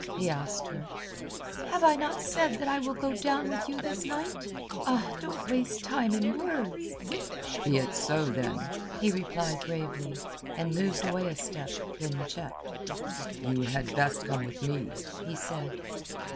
he asked her. "Have I not said that I will go down with you this night? Ah, don't waste time in words!" "Be it so, then," he replied gravely, and moved away a step, then checked. "You had best come with me," he said.